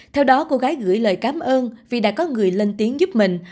theo đó cô gái gửi lời cảm ơn vì đã có người lên tiếng giúp mình